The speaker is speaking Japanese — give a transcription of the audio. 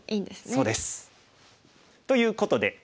そうです。ということで。